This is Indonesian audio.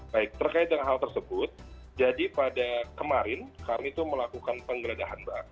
baik terkait dengan hal tersebut jadi pada kemarin kami itu melakukan penggeledahan mbak